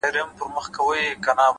هره ورځ د نوې هڅې بلنه ده؛